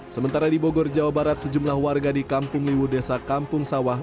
sementara di bogor jawa barat sejumlah warga di kampung liwu desa kampung sawah